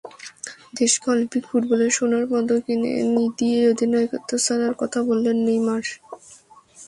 দেশকে অলিম্পিক ফুটবলের সোনার পদক এনে দিয়েই অধিনায়কত্ব ছাড়ার কথা বললেন নেইমার।